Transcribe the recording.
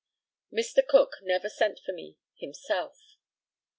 Mr. Cook never sent for me himself."